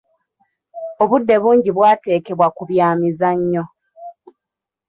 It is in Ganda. Obudde bungi bwateekebwa ku bya mizannyo.